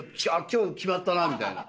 今日決まったなみたいな。